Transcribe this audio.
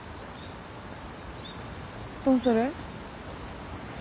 どうする？